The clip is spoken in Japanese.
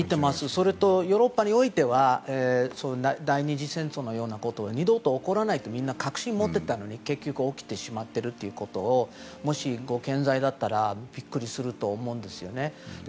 そして、ヨーロッパにおいては第２次世界大戦のようなことは二度と起こらないと確信持っていたのに結局起きてしまっているということをもしご健在だったらビックリすると思うんですね。